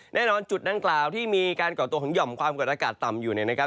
แน่นอนจุดดังกล่าวที่มีการก่อตัวของหย่อมความกดอากาศต่ำอยู่เนี่ยนะครับ